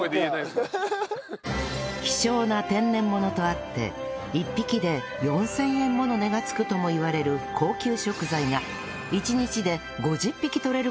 希少な天然ものとあって１匹で４０００円もの値がつくともいわれる高級食材が